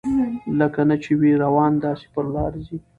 لکه نه چي وي روان داسي پر لار ځي